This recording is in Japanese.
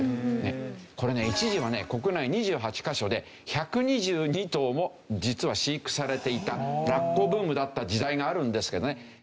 これね一時はね国内２８カ所で１２２頭も実は飼育されていたラッコブームだった時代があるんですけどね。